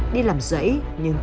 đi làm giấy nhưng không